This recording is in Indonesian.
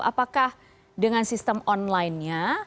apakah dengan sistem online nya